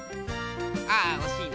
あおしいな。